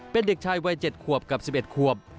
เป็นเด็กชายวัย๗ขวบกับ๑๑ขวบ